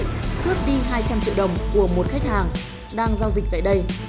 cướp đi hai trăm linh triệu đồng của một khách hàng đang giao dịch tại đây